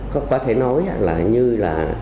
có thể nói như là